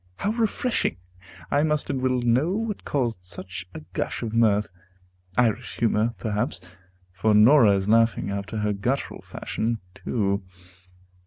how refreshing! I must and will know what caused such a gush of mirth. Irish humor, perhaps, for Norah is laughing, after her guttural fashion, too.